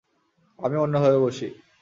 আমি অন্যভাবে বসি!